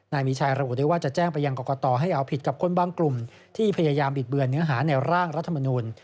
นายมีชัยระบุได้ว่าจะแจ้งไปยังกรกตให้เอาผิดกับคนบางกลุ่มที่พยายามบิดเบือนเนื้อหาในร่างรัฐมนุน